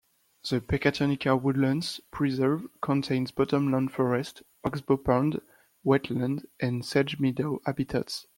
The Pecatonica Woodlands Preserve contains bottomland forest, oxbow pond, wetland, and sedge meadow habitats.